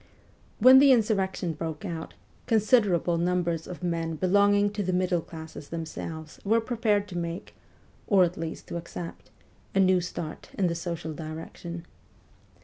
When the insurrection broke out, considerable numbers of men belonging to the middle classes them selves were prepared to make, or at least to accept, a new start in the social direction.